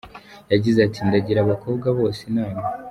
yagize ati Ndagira abakobwa bose inama.